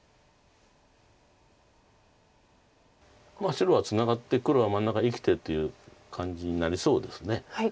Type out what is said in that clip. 白はツナがって黒は真ん中生きてっていう感じになりそうです。